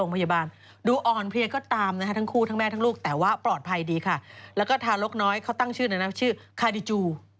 มีคนกลางหน้อยเขาตั้งชื่อนั้นนะชื่อขาดิจู